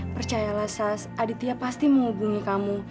percayalah sas aditya pasti menghubungi kamu